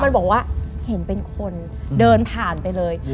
มันบอกว่าเห็นเป็นคนเดินผ่านไปเลย